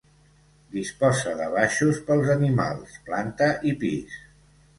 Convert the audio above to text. Disposa de baixos pels animals, planta i pis.